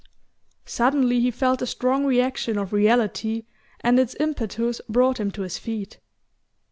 Suddenly he felt the strong reaction of reality and its impetus brought him to his feet.